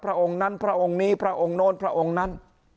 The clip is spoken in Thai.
องค์นั้นพระองค์นี้พระองค์โน้นพระองค์นั้น